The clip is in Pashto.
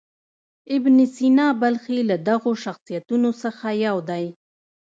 ابن سینا بلخي له دغو شخصیتونو څخه یو دی.